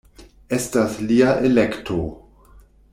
Estas lia elekto.